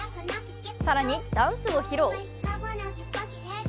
更にダンスを披露。